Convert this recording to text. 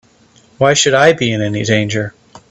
Why should I be in any danger?